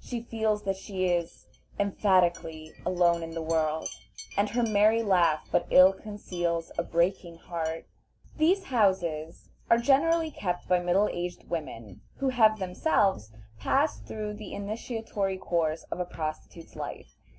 She feels that she is, emphatically, alone in the world, and her merry laugh but ill conceals a breaking heart. These houses are generally kept by middle aged women who have themselves passed through the initiatory course of a prostitute's life.